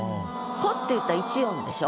「子」って言ったら１音でしょ？